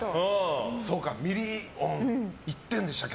そうかミリオンいってるんでしたっけ。